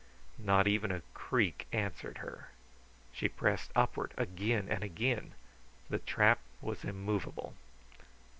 Not even a creak answered her. She pressed upward again and again. The trap was immovable.